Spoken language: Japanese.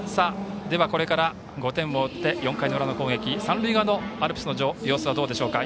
これから５点を追って４回裏の攻撃三塁側のアルプスの様子はどうでしょうか。